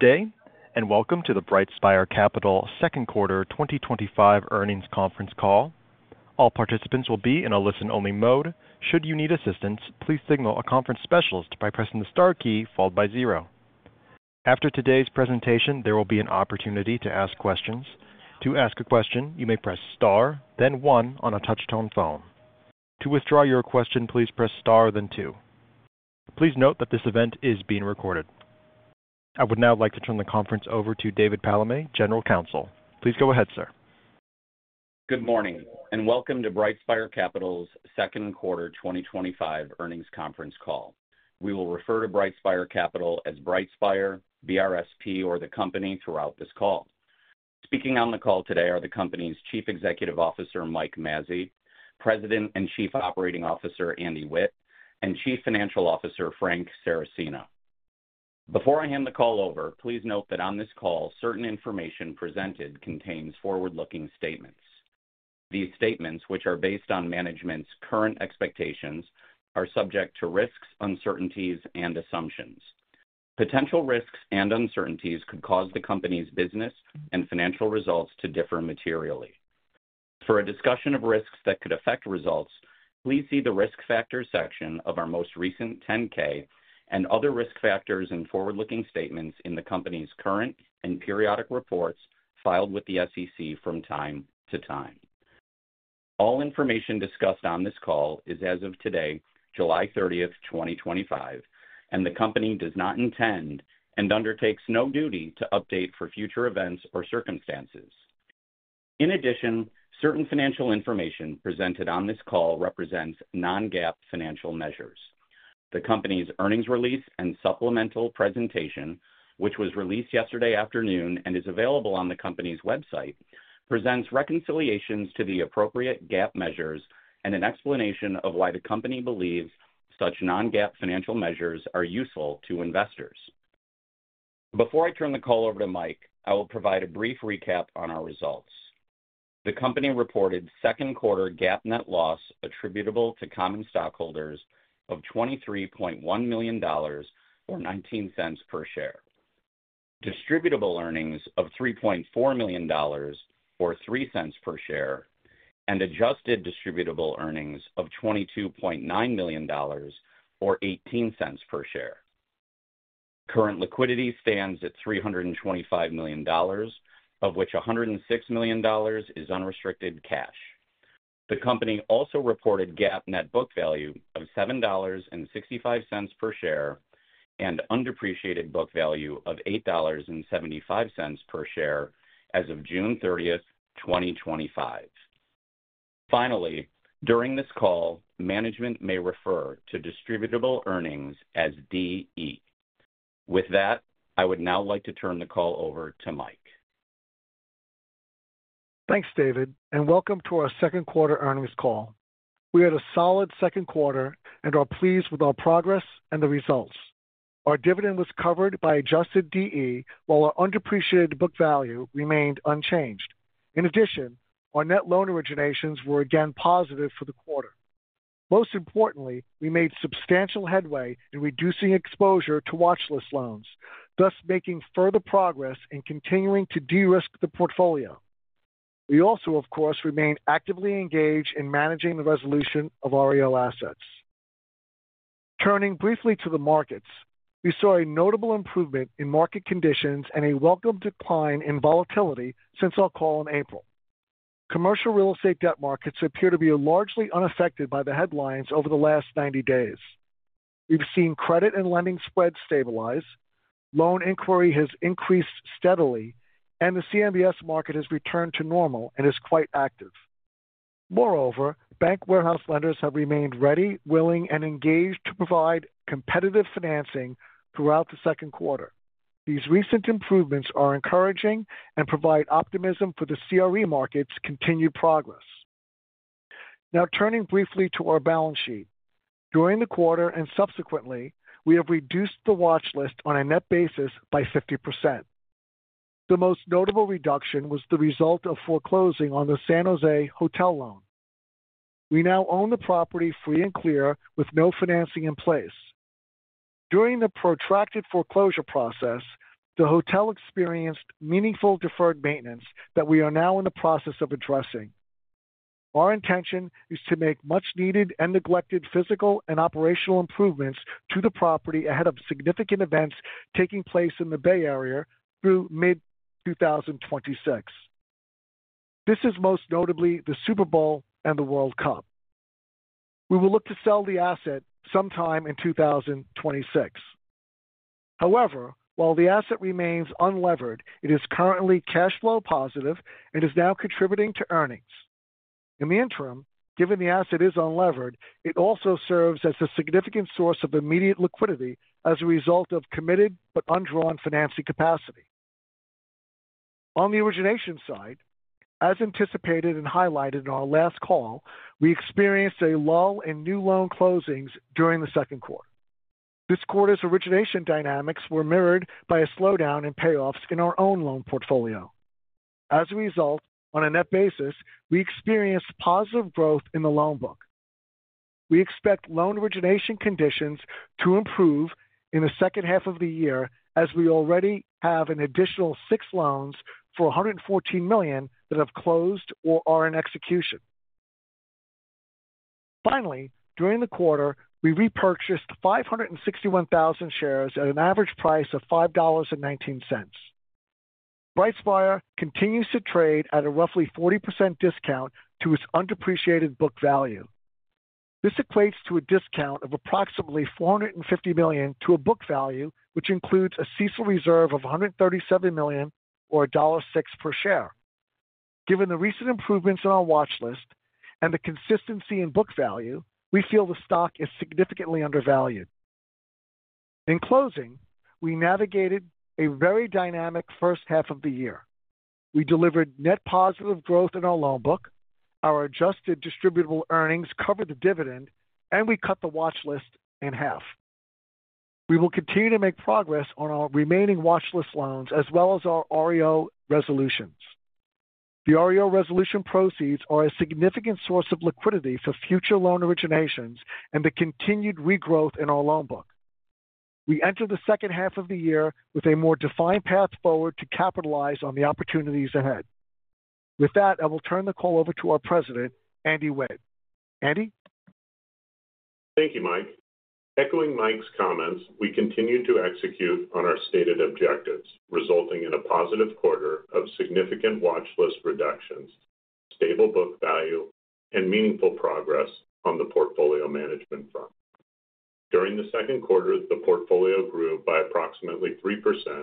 Today, and welcome to the BrightSpire Capital Inc. second quarter 2025 earnings conference call. All participants will be in a listen-only mode. Should you need assistance, please signal a conference specialist by pressing the star key followed by zero. After today’s presentation, there will be an opportunity to ask questions. To ask a question, you may press star, then one on a touch-tone phone. To withdraw your question, please press star, then two. Please note that this event is being recorded. I would now like to turn the conference over to David A. Palame, General Counsel. Please go ahead, sir. All information discussed on this call is as of today, July 30, 2025, and the company does not intend and undertakes no duty to update for future events or circumstances. In addition, certain financial information presented on this call represents non-GAAP financial measures. The company's earnings release and supplemental presentation, which was released yesterday afternoon and is available on the company's website, presents reconciliations to the appropriate GAAP measures and an explanation of why the company believes such non-GAAP financial measures are useful to investors. Before I turn the call over to Michael, I will provide a brief recap on our results. The company reported second quarter GAAP net loss attributable to common stockholders The company also reported GAAP net book value of 7.65 dollars per share and undepreciated book value of 8.75 dollars per share as of June 30, 2025. Finally, during this call, management may refer to distributable earnings as DE. With that, I would now like to turn the call over to Michael. Thanks, David, and welcome to our second quarter earnings call. We had a solid second quarter and are pleased with our progress and the results. Our dividend was covered by adjusted DE, while our undepreciated book value remained unchanged. In addition, our net loan originations were again positive for the quarter. Most importantly, we made substantial headway in reducing exposure to watchlist loans, thus making further progress and continuing to de-risk the portfolio. We also, of course, remain actively engaged in managing the resolution of REO assets. Turning briefly to the markets, we saw a notable improvement in market conditions and a welcome decline in volatility since our call in April. Commercial real estate debt markets appear to be largely unaffected by the headlines over the last 90 days. We’ve observed stability returning to credit and lending spreads, alongside a steady rise in loan inquiries, while the CMBS market has normalized and remains active. In parallel, bank warehouse lenders have continued to provide strong support, remaining engaged and offering competitive financing options throughout the quarter. These factors collectively underscore growing confidence and optimism in the continued recovery of the commercial real estate market. Our plan for the San Jose Hotel is to complete necessary physical and operational upgrades ahead of major Bay Area events through mid-2026, including the Super Bowl and the World Cup. We expect to market and sell the asset in 2026 once these improvements are complete. In the meantime, the property is unlevered, generating positive cash flow, and contributing to earnings. Additionally, the lack of leverage provides us with immediate access to liquidity through committed but undrawn financing capacity. Looking ahead, we anticipate stronger loan origination activity in the second half of the year. We already have six additional loans, totaling approximately $114 million, that have either closed or are currently in execution. We will continue advancing resolutions on our remaining watchlist loans and executing on REO asset recoveries. The proceeds from these REO resolutions represent a key source of liquidity that will directly support future loan originations and the continued expansion of our loan portfolio. Thank you, Mike. Echoing your remarks, we maintained strong execution against our strategic priorities, delivering another quarter of steady performance and meaningful balance sheet progress. The second quarter reflected a 3% increase in portfolio size—approximately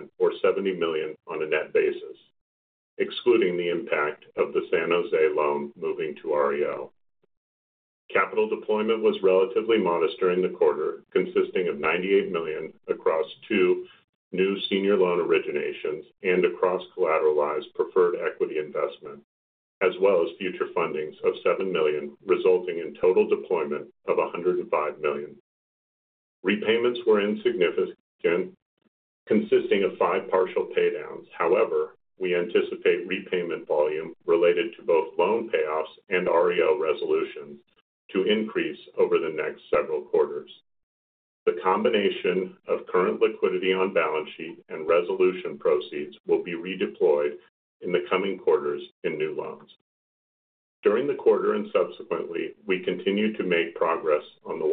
$70 million of net growth—excluding the transfer of the San Jose loan into REO. During the quarter and subsequent period, we continued to execute on our asset management initiatives, achieving meaningful progress across the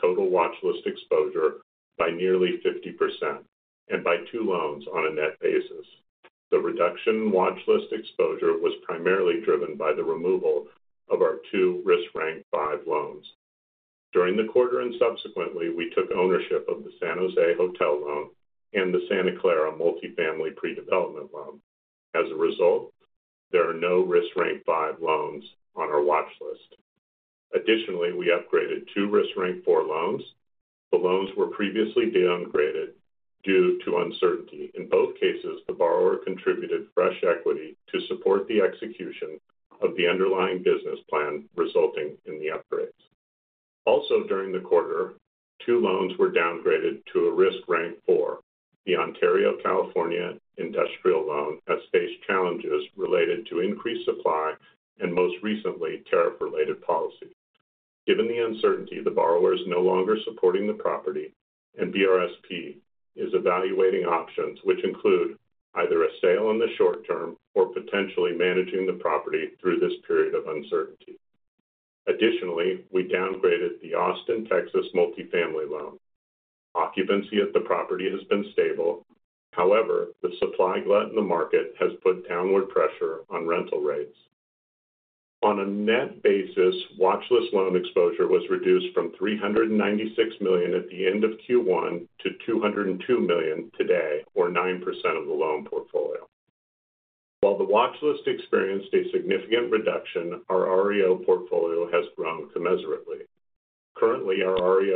watchlist. Total watchlist exposure declined by nearly 50% and by two loans on a net basis, primarily driven by the resolution of our two risk-ranked five loans. Given ongoing uncertainty, the borrower on the Ontario, California, industrial asset is no longer supporting the property. We are actively evaluating alternatives, including a near-term sale or, if appropriate, direct management of the asset through this period of market volatility. As Mike mentioned earlier, our near-term strategy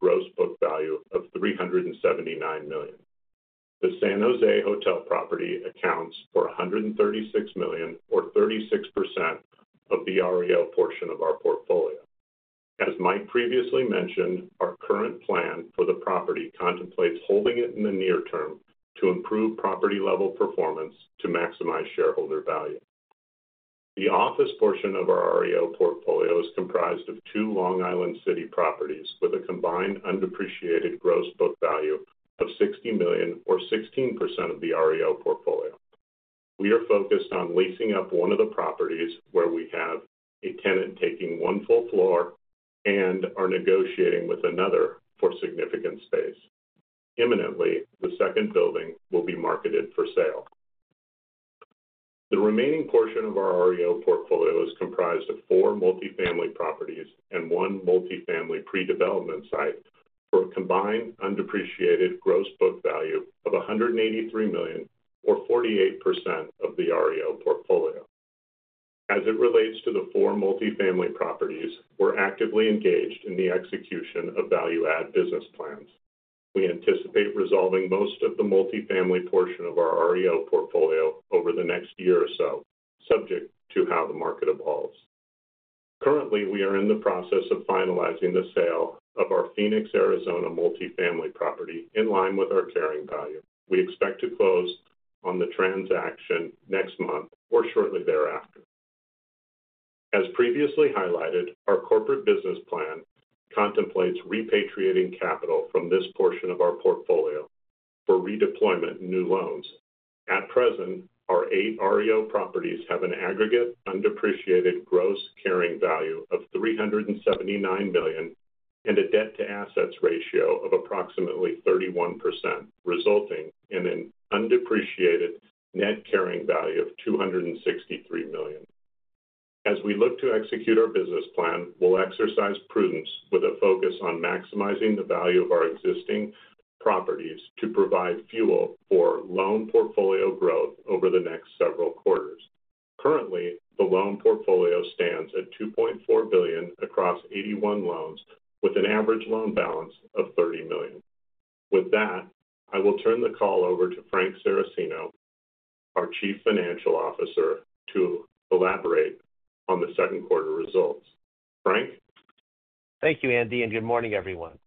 for the San Jose Hotel focuses on holding the asset while executing operational and physical improvements to enhance performance and ultimately maximize shareholder value. We expect to resolve the majority of the multifamily assets within our REO portfolio over the next year, subject to broader market conditions. Currently, we are finalizing the sale of our Phoenix, Arizona, multifamily property, which is tracking in line with its carrying value. We anticipate closing this transaction next month or shortly thereafter. Thank you, Andy, and good morning, everyone.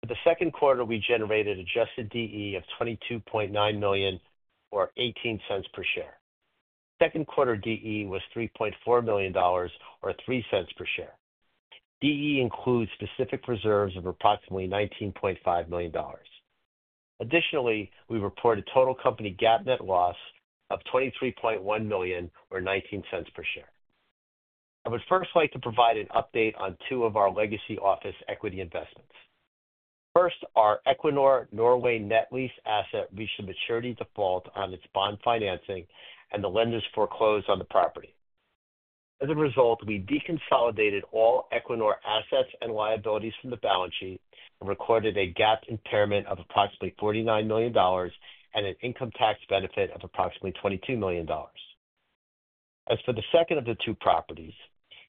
For the second quarter, we reported adjusted distributable earnings (DE) of $22.9 million, or $0.18 per share, and DE of $3.4 million, or $0.03 per share, which includes approximately $19.5 million in specific reserves. On a GAAP basis, the company reported a net loss of $23.1 million, or $0.19 per share. The second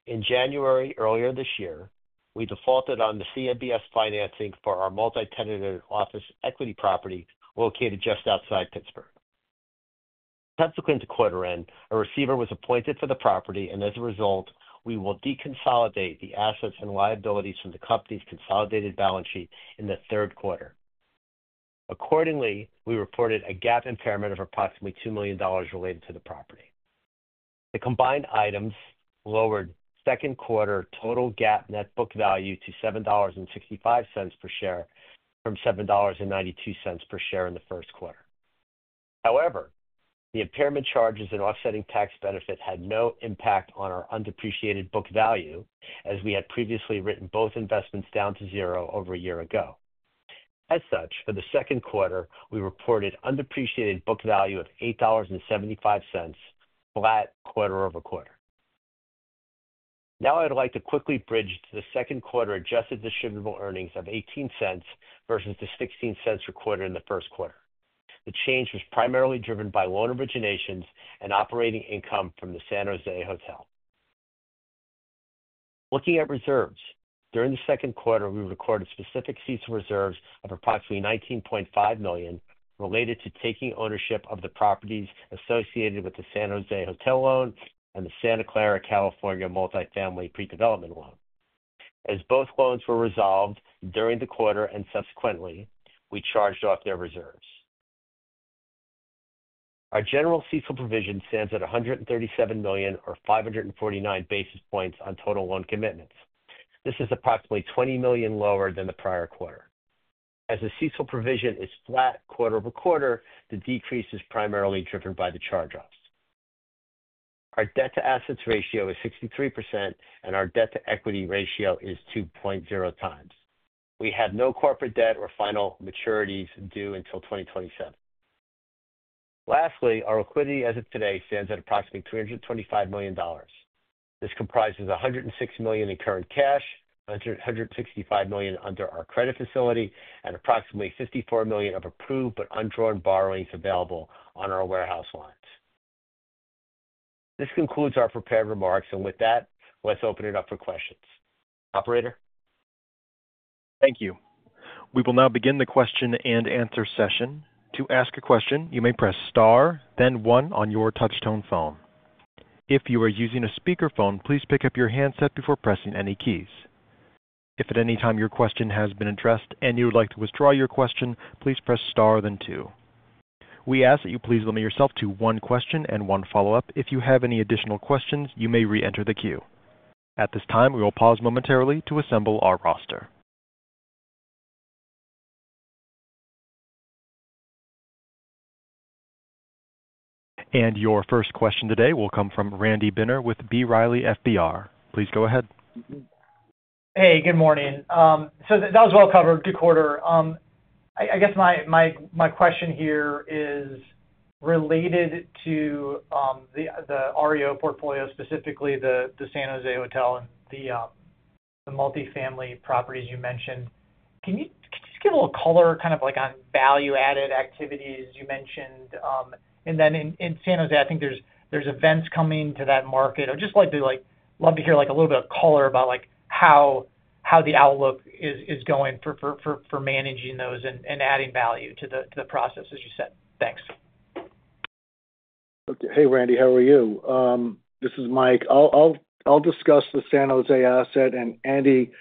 property pertains to our multi-tenant office equity investment located just outside of Pittsburgh. Earlier this year, in January, the asset defaulted on its CMBS financing. Following the end of the second quarter, a receiver was appointed to oversee the property. Consequently, we will deconsolidate its assets and liabilities from our consolidated balance sheet in the third quarter. In connection with this, we recorded a GAAP impairment of approximately $2 million. Turning to earnings performance, adjusted distributable earnings for the second quarter were $0.18 per share, compared to $0.16 per share in the first quarter. The improvement was primarily driven by new loan originations and incremental operating income generated from the San Jose Hotel asset. We have no corporate debt maturities or final repayments due until 2027, which provides us with meaningful balance sheet flexibility. Thank you. We will now begin the question-and-answer session. To ask a question, please press star, then one on your touch-tone phone. If you are using a speakerphone, please pick up your handset before pressing any keys. Good morning, and thank you. That was a well-covered update on the quarter. My question relates to the Real Estate Owned (REO) portfolio, specifically the San Jose Hotel and the multifamily properties you discussed. Could you provide more detail on the value-add activities underway for those assets? For example, in San Jose, with several major events expected in the market, I’d appreciate some insight into how you’re managing those opportunities and enhancing value through that process. Hi, Randy, good morning. This is Mike. I’ll address the San Jose Hotel,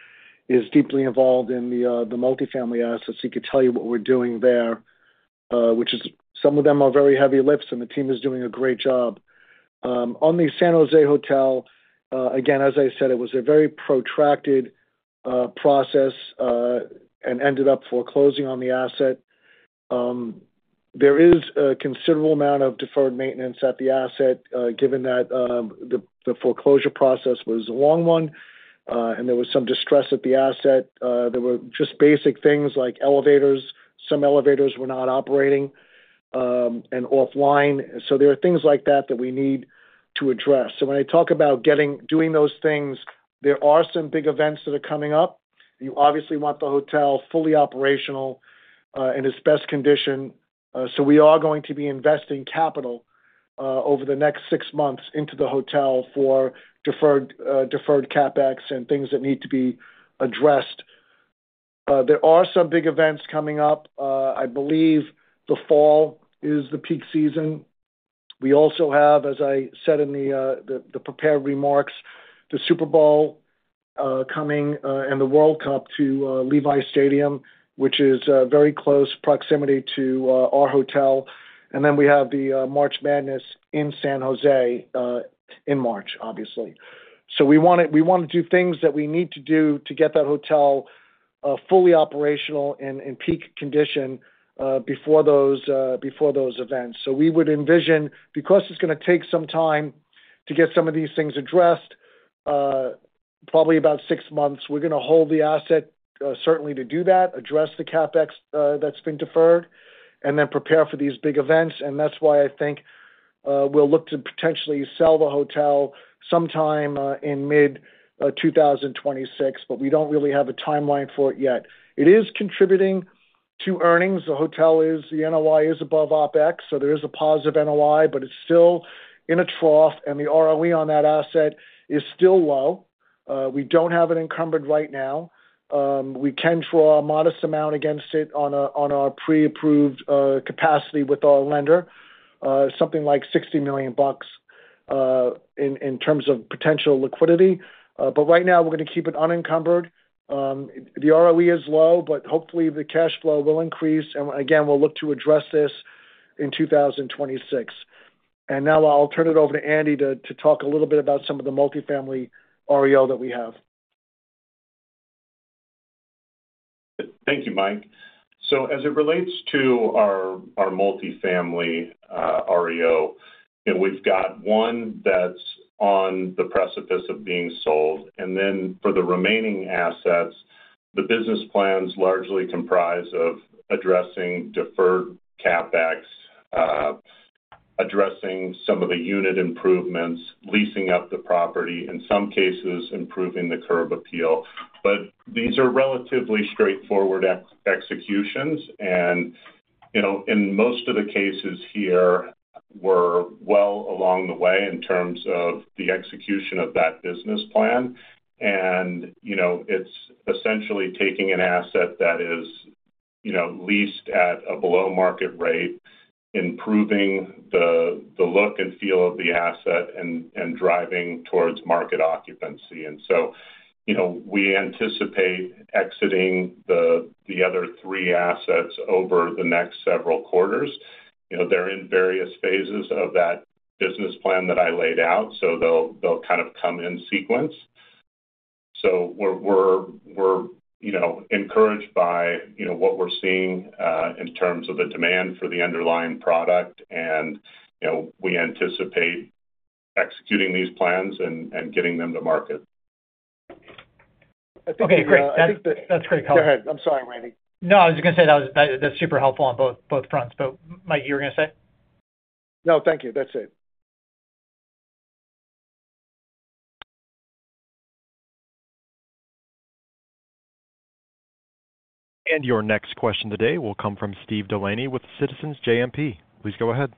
and then Andy will speak to the multifamily assets, where the team is also doing an excellent job managing some significant repositioning efforts. Naturally, we want the San Jose Hotel fully operational and in its best condition ahead of these major events. Over the next six months, we’ll be investing additional capital into the property to address deferred CapEx items and complete the necessary repairs and upgrades. Given the scope of work required, we expect it will take roughly six months to complete the deferred maintenance and CapEx projects needed to fully stabilize the San Jose Hotel. During that time, we plan to hold the asset, complete the upgrades, and position it to benefit from the upcoming major events in the Bay Area. The REO is low, but hopefully the cash flow will increase. We'll look to address this in 2026. I'll turn it over to Andy to talk a little bit about some of the multifamily REO that we have. Thank you, Mike. Regarding our multifamily Real Estate Owned portfolio, one property is nearing completion of its sale. For the remaining assets, business plans focus on addressing deferred CapEx, completing unit upgrades, enhancing curb appeal, and improving leasing. These are straightforward initiatives, and execution is well underway. The objective is to reposition assets leased below market levels, enhance property quality, and achieve market occupancy. We expect to exit the remaining three assets over the next several quarters as they complete their respective business plans. Demand for these assets remains solid, and we are confident in our execution and marketing timeline. Okay, great. I think that's great color. Go ahead. I'm sorry, Randy. No, I was just going to say that was super helpful on both fronts. Mike, you were going to say? No, thank you. That's it. Your next question today will come from Steven Cole Delaney with Citizens JMP Securities LLC. Please go ahead.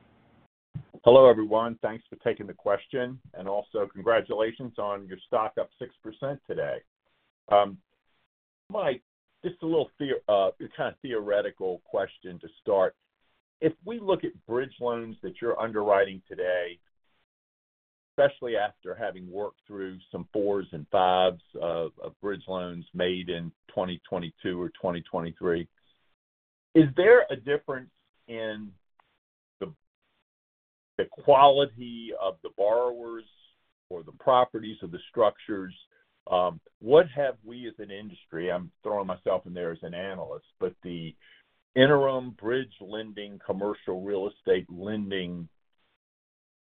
Hello, everyone, and thank you for taking my question. Also, congratulations on the stock being up about 6% today. Mike, I have a more theoretical question. When we look at bridge loans being underwritten today—particularly after working through some of the risk-ranked fours and fives originated in 2022 and 2023—is there a noticeable difference in the quality of borrowers, collateral, or deal structures? More broadly, has the industry learned lessons from that prior cycle? In other words, is the bridge loan market today meaningfully improved or more disciplined compared to the post-COVID 2022 environment when rates were lower? Essentially, is “version 2.0” of bridge lending a stronger model than “version 1.0”?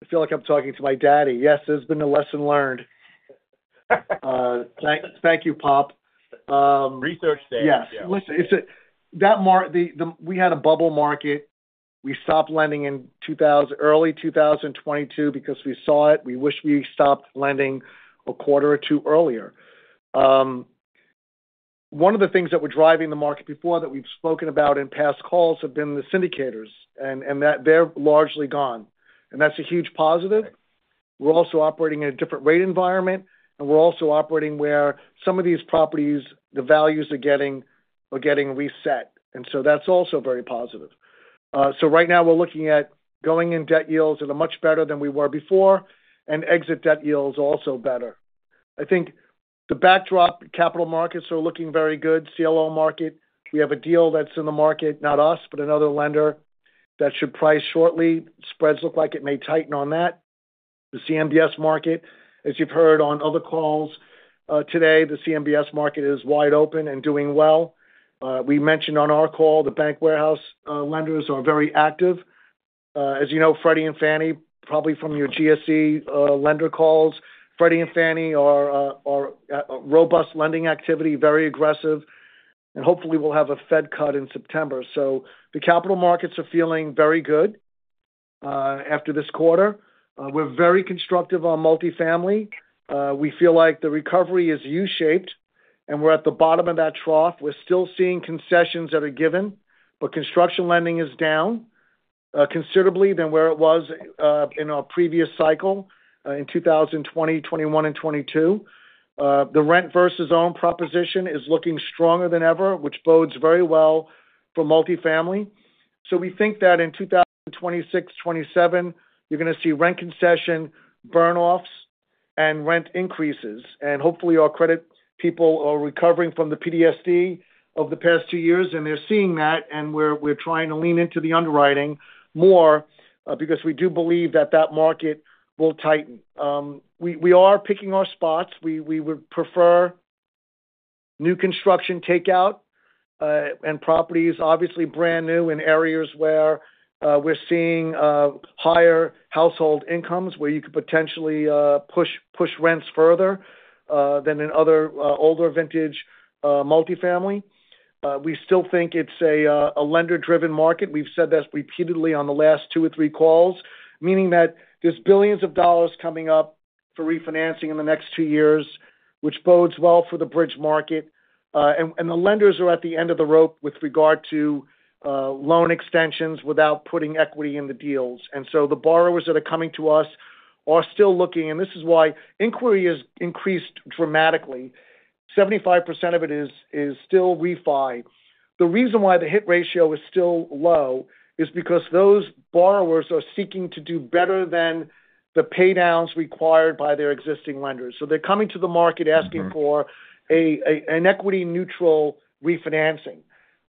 I feel like I'm talking to my daddy. Yes, there's been a lesson learned. Thank you, Pop. Research day. Yes, it’s a very different market today. We experienced a bubble environment previously, and we actually stopped lending in early 2022 after recognizing the risks—although, in hindsight, we wish we had done so a quarter or two earlier. One of the major forces driving that prior market was the presence of syndicators, and they’re now largely gone, which is a significant positive. The CMBS market is performing exceptionally well—it’s wide open and highly active, as you may have heard on other industry calls. As we noted earlier, bank warehouse lenders remain engaged and competitive. Likewise, both Freddie Mac and Fannie Mae continue to demonstrate robust lending activity, operating aggressively in the market. Hopefully, our credit teams are starting to recover from the challenges of the past two years, and they’re recognizing the improving market backdrop. We’re beginning to lean more actively into underwriting, as we believe market conditions will continue to tighten. Roughly 75% of current activity remains refinance-driven. The hit ratio is still relatively low because many borrowers are seeking equity-neutral refinancing, aiming to avoid additional paydowns required by their existing lenders.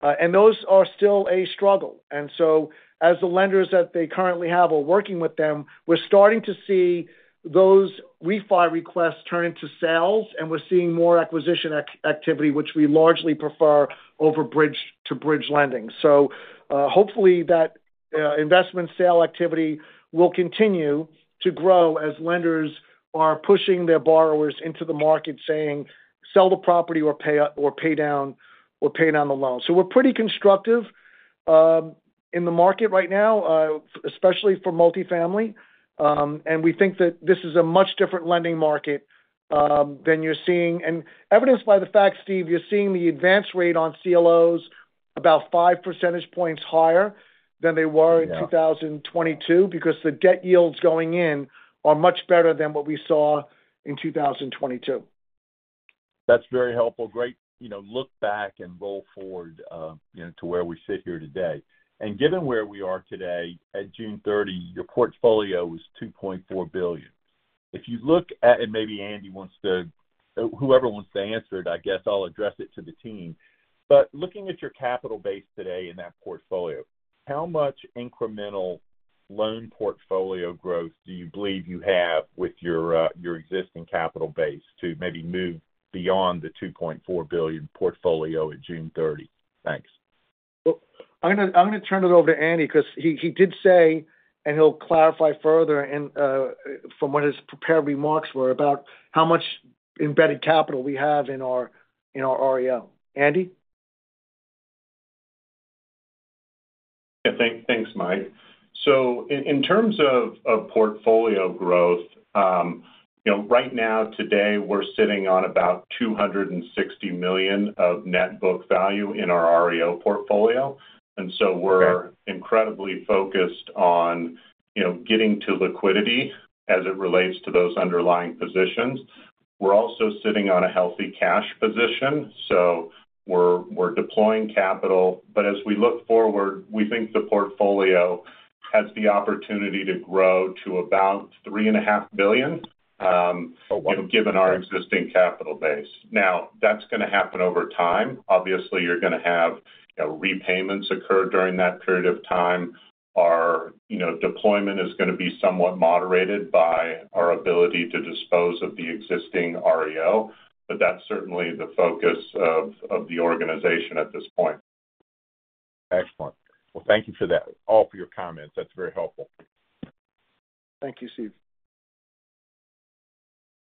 Those transactions continue to be challenging. That’s very helpful, thank you. It’s a great look back and perspective on where things stand today. Given the current position at June 30, with your loan portfolio totaling $2.4 billion, how much incremental portfolio growth do you believe is achievable with your existing capital base? In other words, how much capacity do you have to expand beyond the current $2.4 billion portfolio? I’ll turn that over to Andy, who can elaborate based on his earlier remarks regarding the embedded capital within our Real Estate Owned portfolio. Andy? Thanks, Mike. In terms of portfolio growth, we currently have approximately $260 million of net book value within our Real Estate Owned (REO) portfolio, and our primary focus is on converting those assets to liquidity. We also maintain a healthy cash position, which supports our ability to deploy capital selectively. Excellent. Thank you for that, all for your comments. That's very helpful. Thank you, Steve.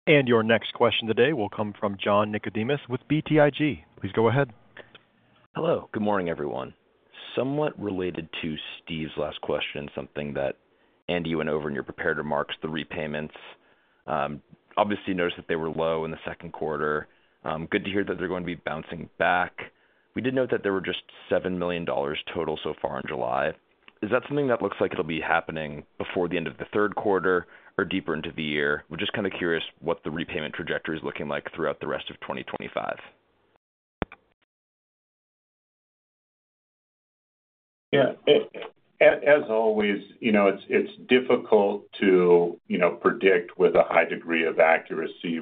Your next question today will come from John Nickodemus with BTIG. Please go ahead. Good morning, everyone. Following up on Steve’s earlier question and part of Andy’s prepared remarks regarding repayments, we noticed that they were relatively low in the second quarter. It’s encouraging to hear they’re expected to rebound. We also saw that there were about $7 million in total repayments so far in July. Do you anticipate most of that activity occurring before the end of the third quarter, or will it extend further into the year? We’re trying to understand what the repayment trajectory looks like for the remainder of 2025. As always, it’s difficult to forecast repayment activity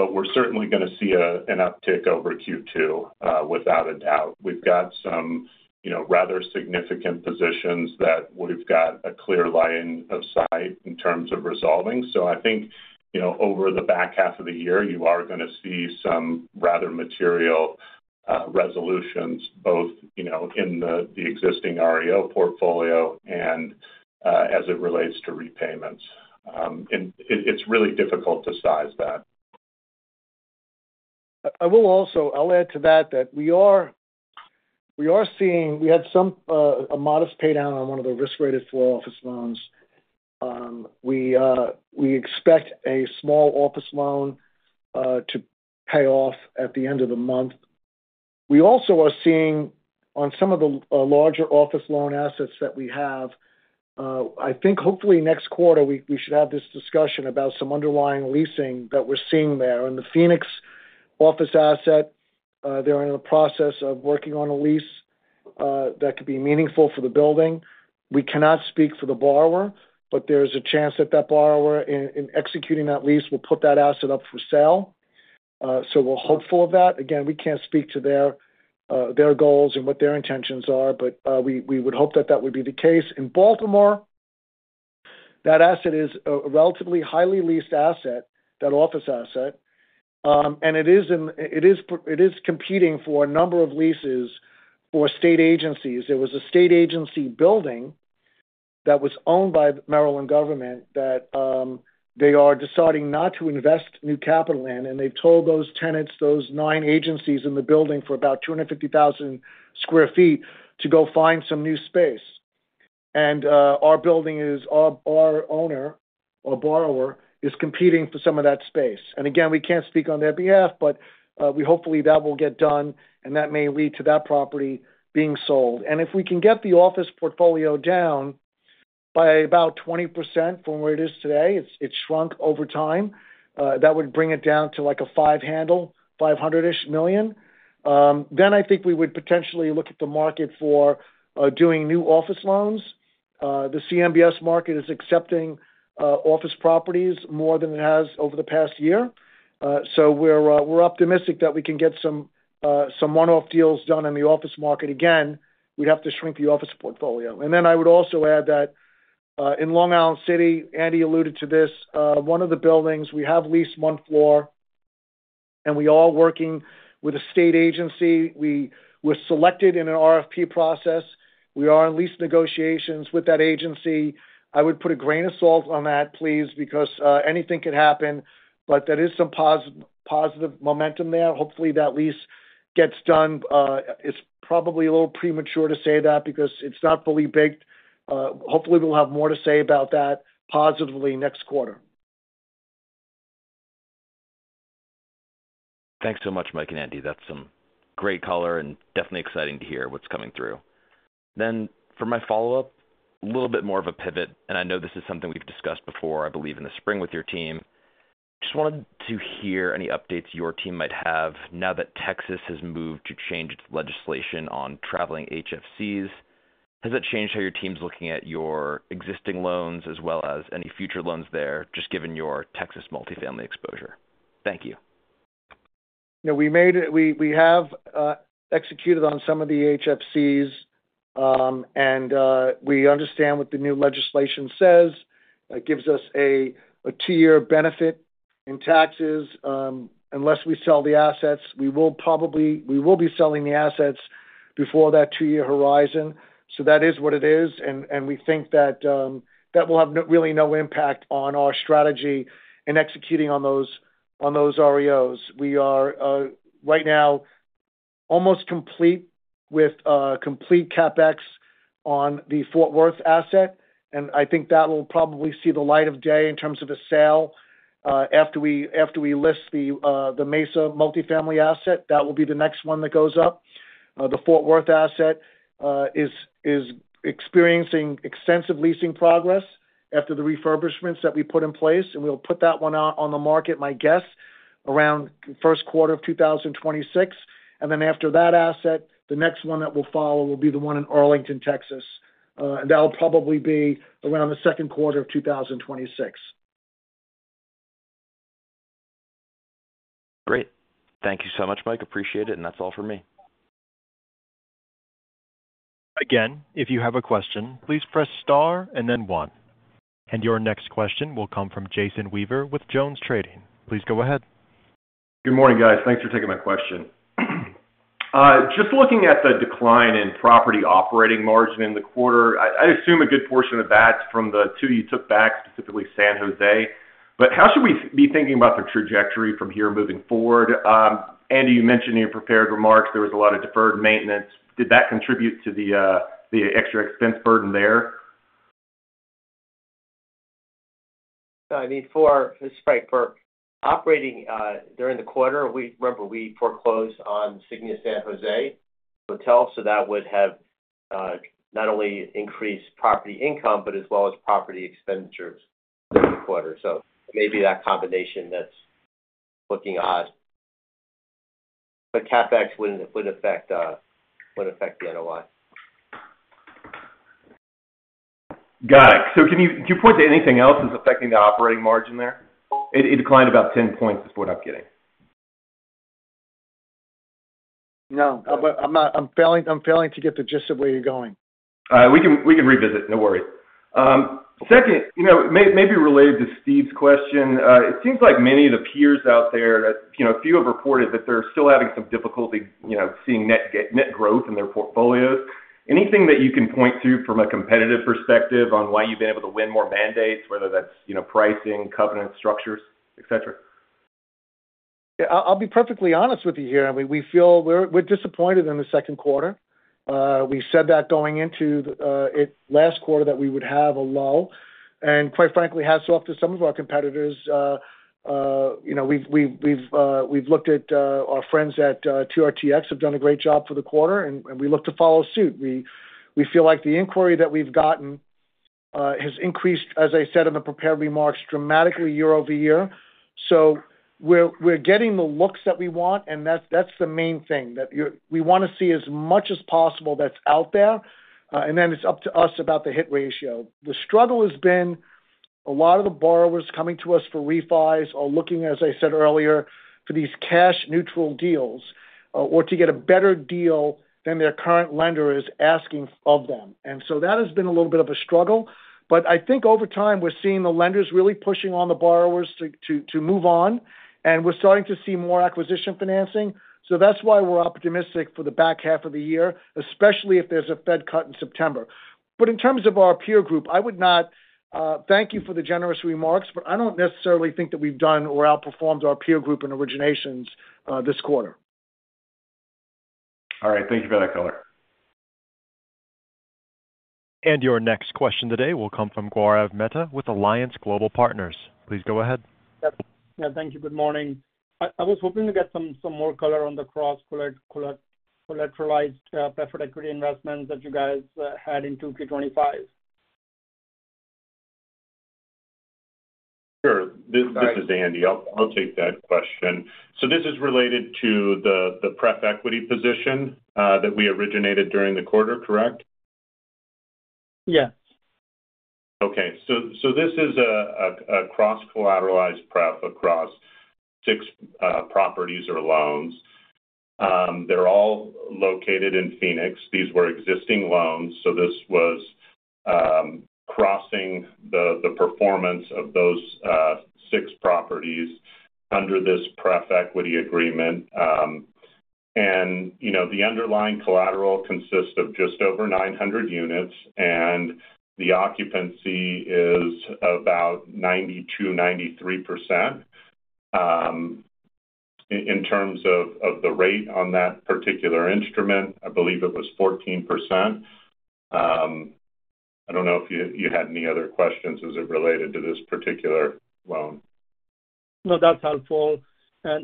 with precision, particularly as it relates to REO proceeds. That said, we expect a clear uptick in repayments compared to the second quarter. We have several significant positions with well-defined paths to resolution, which should drive higher repayment volumes. Over the second half of the year, we anticipate material progress on both the existing REO portfolio resolutions and broader loan repayments, though it’s challenging to quantify the exact timing or size of those inflows. I’d like to add to Andy’s comments that we’ve already seen some modest paydowns on one of our risk-ranked 4 office loans, and we also expect a small office loan to fully pay off by the end of the month. Additionally, on several of our larger office loan assets, we’re beginning to see encouraging leasing activity that could drive positive developments next quarter. In Baltimore, our office asset there is relatively well-leased and performing decently. It’s currently competing for several leasing opportunities with state agencies. The background is that this was originally a state-owned government building that the Maryland government decided not to reinvest capital in. As a result, they instructed about nine agencies, occupying roughly 250,000 square feet, to relocate and find new office space. The CMBS market has recently become more receptive to office properties than it was over the last year, which gives us optimism that we may be able to complete some selective, one-off transactions in that segment. However, as I mentioned earlier, we would still need to further shrink our office portfolio before expanding back into that space more meaningfully. Thanks so much, Mike and Andy. That’s some great color and definitely exciting to hear what’s coming through. Yes, we’ve already executed on some of the HFCs, and we’re fully aware of what the new Texas legislation entails. Essentially, it provides a two-year tax benefit, but since we anticipate selling those assets before that two-year window, it won’t materially affect our plans. After that asset, the next one that will follow will be the one in Arlington, Texas. That'll probably be around the second quarter of 2026. Great. Thank you so much, Mike. Appreciate it. That's all for me. If you have a question, please press star and then one. Your next question will come from Jason Price Weaver with JonesTrading Institutional Services LLC. Please go ahead. Good morning, guys. Thanks for taking my question. Just looking at the decline in property operating margin in the quarter, I assume a good portion of that's from the two you took back, specifically San Jose. How should we be thinking about the trajectory from here moving forward? Andy, you mentioned in your prepared remarks there was a lot of deferred maintenance. Did that contribute to the extra expense burden there? For this, this is Frank V. Saracino. Operating during the quarter, we remember we foreclosed on the San Jose Hotel. That would have not only increased property income, but as well as property expenditures during the quarter. Maybe that combination is looking odd. CapEx wouldn't affect the NOI. Got it. Can you point to anything else that's affecting the operating margin there? It declined about 10% is what I'm getting. No, I'm failing to get the gist of where you're going. We can revisit. No worries. Second, maybe related to Steve's question, it seems like many of the peers out there, a few have reported that they're still having some difficulty seeing net growth in their portfolios. Anything that you can point to from a competitive perspective on why you've been able to win more mandates, whether that's pricing, covenant structures, etc.? Yeah, I'll be perfectly honest with you here. We feel we're disappointed in the second quarter. We said that going into it last quarter that we would have a low. Quite frankly, hats off to some of our competitors. We've looked at our friends at TRTX who have done a great job for the quarter, and we look to follow suit. We feel like the inquiry that we've gotten has increased, as I said in the prepared remarks, dramatically year over year. We're getting the looks that we want, and that's the main thing that we want to see as much as possible that's out there. It's up to us about the hit ratio. The struggle has been a lot of the borrowers coming to us for refis are looking, as I said earlier, for these cash-neutral deals or to get a better deal than their current lender is asking of them. That has been a little bit of a struggle. I think over time, we're seeing the lenders really pushing on the borrowers to move on. We're starting to see more acquisition financing. That's why we're optimistic for the back half of the year, especially if there's a Fed cut in September. In terms of our peer group, thank you for the generous remarks, but I don't necessarily think that we've done or outperformed our peer group in originations this quarter. All right, thank you for that color. Your next question today will come from Gaurav Mehta with Alliance Global Partners. Please go ahead. Yeah, thank you. Good morning. I was hoping to get some more color on the cross-collateralized preferred equity investments that you guys had in Q2 2025. Sure. This is Andy. I'll take that question. This is related to the preferred equity position that we originated during the quarter, correct? Yes. Okay. This is a cross-collateralized preferred equity investment across six properties or loans. They're all located in Phoenix. These were existing loans, crossing the performance of those six properties under this preferred equity agreement. The underlying collateral consists of just over 900 units, and the occupancy is about 92-93%. In terms of the rate on that particular instrument, I believe it was 14%. I don't know if you had any other questions as it related to this particular loan. No, that's helpful. As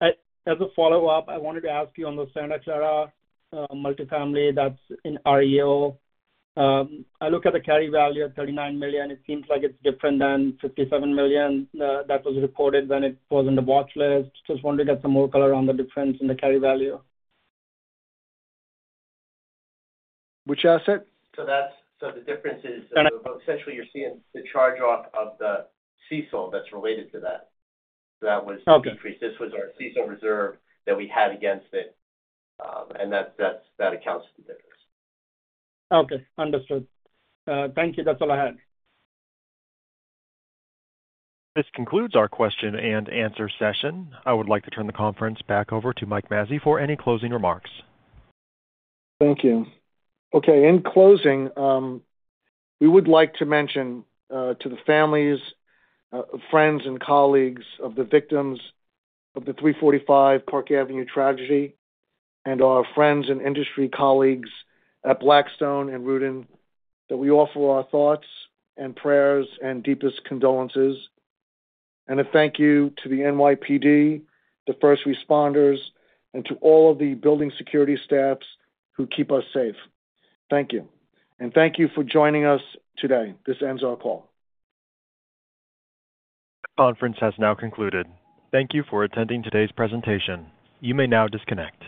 a follow-up, I wanted to ask you on the Santa Clara Multifamily Predevelopment loan that's in the Real Estate Owned portfolio. I look at the carry value at $39 million. It seems like it's different than $57 million that was recorded when it was on the watchlist. I just wanted to get some more color on the difference in the carry value. Which asset? The difference is essentially you're seeing the charge-off of the CECL that's related to that. That was increased. This was our CECL reserve that we had against it, and that accounts for the difference. Okay. Understood. Thank you. That's all I had. This concludes our question and answer session. I would like to turn the conference back over to Michael J. Mazzei for any closing remarks. Thank you. In closing, we would like to mention to the families, friends, and colleagues of the victims of the 345 Park Avenue tragedy and our friends and industry colleagues at Blackstone and Rudin that we offer our thoughts and prayers and deepest condolences. Thank you to the NYPD, the first responders, and to all of the building security staff who keep us safe. Thank you for joining us today. This ends our call. The conference has now concluded. Thank you for attending today's presentation. You may now disconnect.